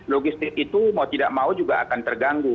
logistik itu mau tidak mau juga akan terganggu